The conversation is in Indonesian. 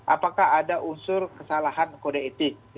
apakah ada unsur kesalahan kode etik